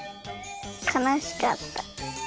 かなしかった。